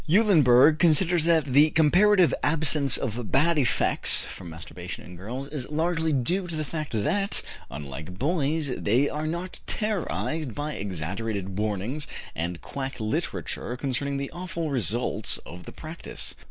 Eulenburg considers that the comparative absence of bad effects from masturbation in girls is largely due to the fact that, unlike boys, they are not terrorized by exaggerated warnings and quack literature concerning the awful results of the practice.